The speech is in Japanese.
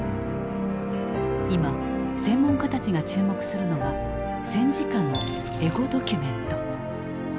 今専門家たちが注目するのが戦時下のエゴドキュメント。